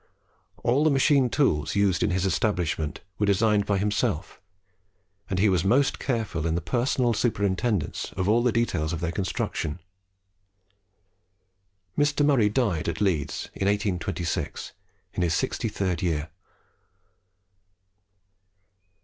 All the machine tools used in his establishment were designed by himself, and he was most careful in the personal superintendence of all the details of their construction. Mr. Murray died at Leeds in 1826, in his sixty third year.